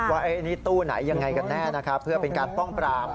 ว่านี่ตู้ไหนยังไงกันแน่นะครับเพื่อเป็นการป้องปราม